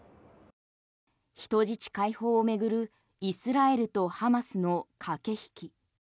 人質解放を巡るイスラエルとハマスの駆け引き。